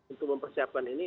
untuk mempersiapkan ini